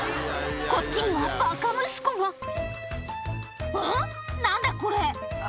こっちにはバカ息子がんっ何だ？